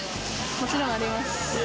もちろんあります。